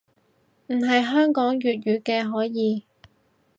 唔係香港粵語嘅可以